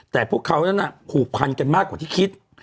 แต่พวกเขานั้นผูกพันกันมากกว่าที่คิด